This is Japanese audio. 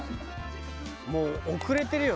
もう遅れてるよ